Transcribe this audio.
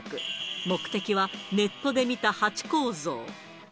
目的はネットで見たハチ公像。